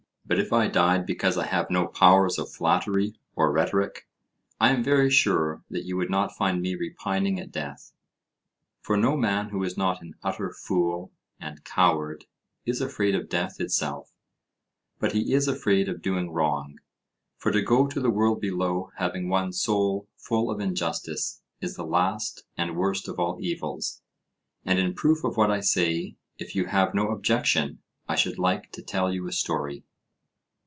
But if I died because I have no powers of flattery or rhetoric, I am very sure that you would not find me repining at death. For no man who is not an utter fool and coward is afraid of death itself, but he is afraid of doing wrong. For to go to the world below having one's soul full of injustice is the last and worst of all evils. And in proof of what I say, if you have no objection, I should like to tell you a story.